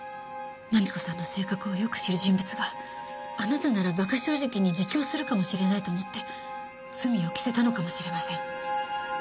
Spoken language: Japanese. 菜実子さんの性格をよく知る人物があなたなら馬鹿正直に自供するかもしれないと思って罪を着せたのかもしれません。